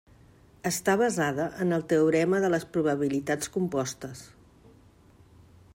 Està basada en el teorema de les probabilitats compostes.